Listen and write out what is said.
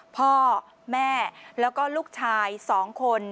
พ่อแม่แล้วก็ลูกชาย๒คน